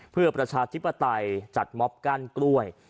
เพื่อประชาธิปไตยจัดม็อบกั้นกล้วย